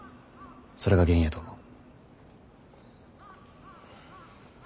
それが原因やと思う。